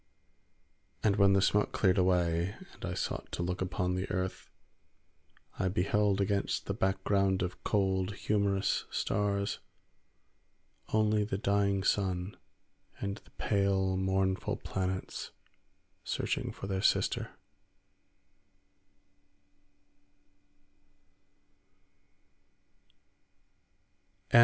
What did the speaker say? And when the smoke cleared away, and I sought to look upon the earth, I beheld against the background of cold, humorous stars only the dying sun and the pale mournful planets searching for their sister.